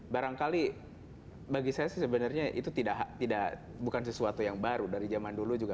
barangkali bagi saya sih sebenarnya itu bukan sesuatu yang baru dari zaman dulu juga